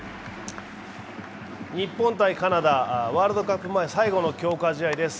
日本×カナダ、ワールドカップ前最後の強化試合です。